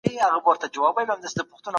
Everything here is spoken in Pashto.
چاندنۍ